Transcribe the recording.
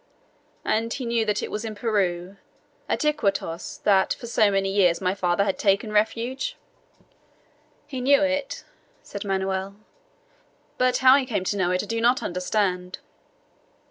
"And he knew that it was in Peru, at Iquitos, that for so many years my father had taken refuge?" "He knew it," said Manoel, "but how he came to know it I do not understand."